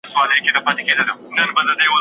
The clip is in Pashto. په يو خـمـار په يــو نـشــه كــي ژونــدون